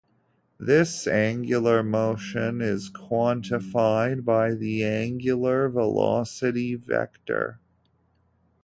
This angular motion is quantified by the angular velocity vector.